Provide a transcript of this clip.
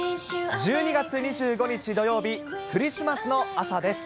１２月２５日土曜日、クリスマスの朝です。